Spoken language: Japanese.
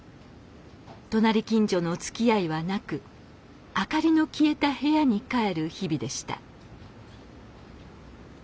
隣近所のつきあいはなく明かりの消えた部屋に帰る日々でした。